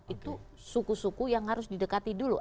itu suku suku yang harus didekati dulu